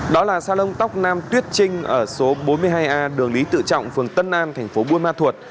đó là salon tóc nam tuyết trinh ở số bốn mươi hai a đường lý tự trọng phường tân an thành phố buôn ma thuột